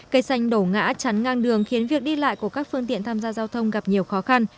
cây xanh đổ ngã chắn ngang đường khiến việc đi lại của các phương tiện tham gia giao thông gặp nhiều khó khăn